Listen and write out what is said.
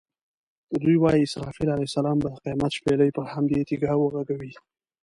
دوی وایي اسرافیل علیه السلام به د قیامت شپېلۍ پر همدې تیږه وغږوي.